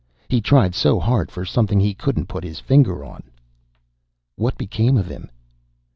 He tried so hard for something he couldn't put his finger on." "What became of him?"